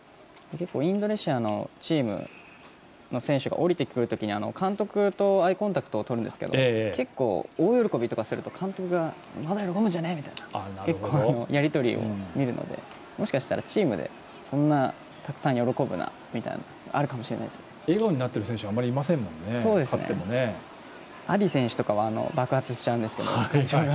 結構、インドネシアのチームの選手が降りてくるときに監督とアイコンタクトをとるんですけど結構、大喜びとかするとまだ喜ぶんじゃねえ！とかいうやり取りを結構、見るのでもしかしたらチームでそんな極端に喜ぶなみたいなのが笑顔になっている選手がアディ選手とかは爆発しちゃうんですけど。